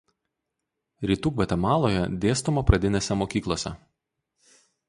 Rytų Gvatemaloje dėstoma pradinėse mokyklose.